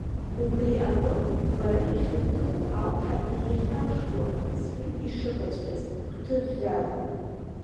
Убри аҟынтә бара иахьыбҭаху ауп ҳаргьы иахьалҳхуа, — сҳәеит ишыҟаҵәҟьаз, гәҭыӷьӷьала.